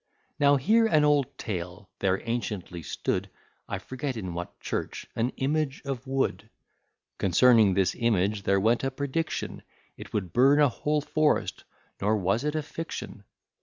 Now hear an old tale. There anciently stood (I forget in what church) an image of wood; Concerning this image, there went a prediction, It would burn a whole forest; nor was it a fiction.